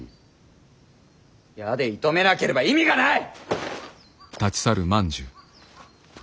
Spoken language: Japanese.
矢で射止めなければ意味がない！